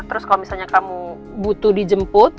terus kalau misalnya kamu butuh dijemput